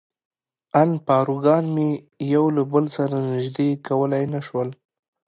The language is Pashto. ان پاروګان مې یو له بل سره نژدې کولای نه شول.